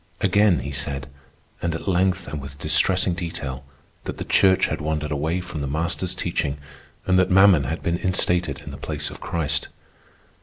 Again he said, and at length and with distressing detail, that the Church had wandered away from the Master's teaching, and that Mammon had been instated in the place of Christ.